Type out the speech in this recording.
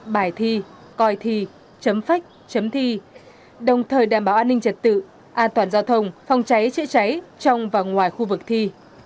bài thi coi thi chấm phách chấm thi đồng thời đảm bảo an ninh trật tự an toàn giao thông phòng cháy chữa cháy trong và ngoài khu vực thi